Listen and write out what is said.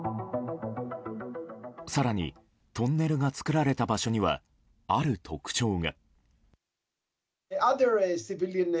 更に、トンネルが作られた場所にはある特徴が。